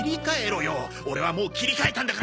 オレはもう切り替えたんだから。